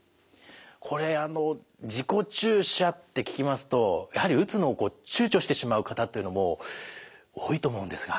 これあの自己注射って聞きますとやはり打つのを躊躇してしまう方っていうのも多いと思うんですが。